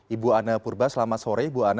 ibu ana purba selamat sore ibu anne